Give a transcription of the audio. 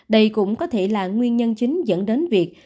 đây cũng có thể là nguyên nhân chính dẫn đến việc